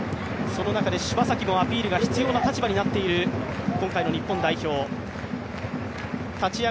その中で柴崎もアピールが必要な立場になっている日本代表。